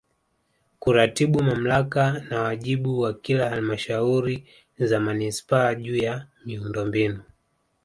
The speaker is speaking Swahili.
Kuratibu Mamlaka na wajibu wa kila Halmashauri za Manispaa juu ya miundombinu